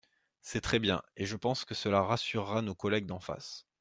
C’est très bien, et je pense que cela rassurera nos collègues d’en face.